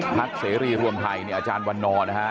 เสรีรวมไทยเนี่ยอาจารย์วันนอร์นะฮะ